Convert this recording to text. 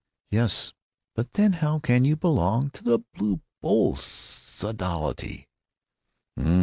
"Yes, but then how can you belong to the Blue Bowl Sodality?"